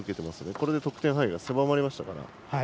これで得点範囲が狭まりましたから。